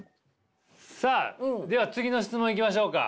さあでは次の質問いきましょうか。